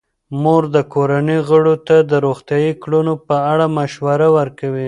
مور د کورنۍ غړو ته د روغتیايي کړنو په اړه مشوره ورکوي.